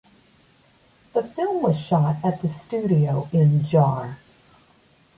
The film was shot at the studio in Jar.